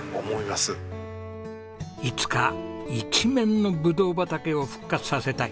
いつか一面のブドウ畑を復活させたい！